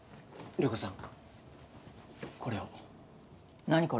涼子さん